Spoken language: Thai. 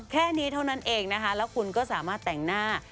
แค่นี้เท่านั้นเองนะคะแล้วคุณก็สามารถแต่งหน้า